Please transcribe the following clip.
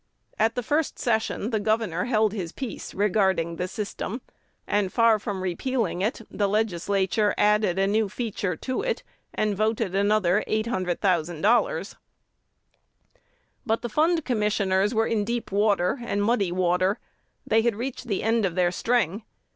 At the first session the governor held his peace regarding the "system;" and, far from repealing it, the Legislature added a new feature to it, and voted another $800,000. But the Fund Commissioners were in deep water and muddy water: they had reached the end of their string.